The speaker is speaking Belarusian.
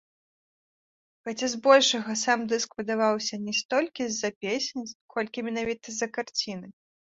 Хаця з большага сам дыск выдаваўся не столькі з-за песень, колькі менавіта з-за карціны.